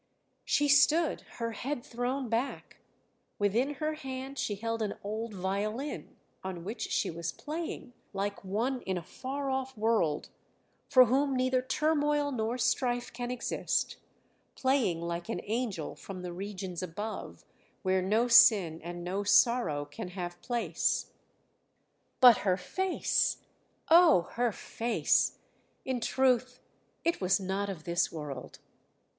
She stood, her head thrown back; within her hand she held an old violin on which she was playing like one in a far off world, for whom neither turmoil nor strife can exist, playing like an angel from the regions above, where no sin and no sorrow can have place.... But her face. Oh! her face ... in truth it was not of this world!